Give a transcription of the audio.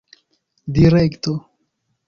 direkto